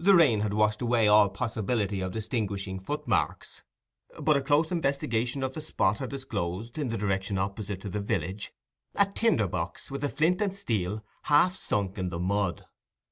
The rain had washed away all possibility of distinguishing foot marks, but a close investigation of the spot had disclosed, in the direction opposite to the village, a tinder box, with a flint and steel, half sunk in the mud.